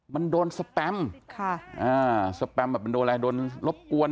มันโดนสแปมค่ะอ่าสแปมแบบมันโดนอะไรโดนรบกวน